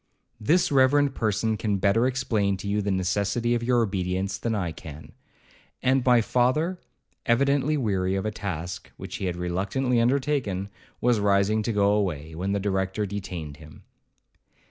This reverend person can better explain to you the necessity of your obedience than I can.' And my father, evidently weary of a task which he had reluctantly undertaken, was rising to go away, when the Director detained him.